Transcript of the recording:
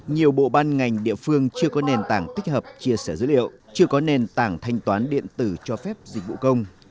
nhiều bộ ban ngành địa phương chưa có nền tảng tích hợp chia sẻ dữ liệu chưa có nền tảng thanh toán điện tử cho phép dịch vụ công